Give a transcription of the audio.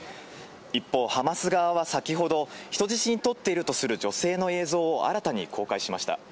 一方、ハマス側は先ほど人質にとっているとする女性の映像を新たに公開しました。